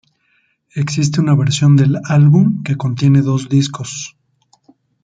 Existe una versión del álbum que contiene dos discos.